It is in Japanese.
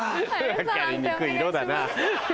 分かりにくい色だな。